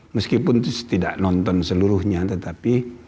meskipun itu tidak nonton seluruhnya tetapi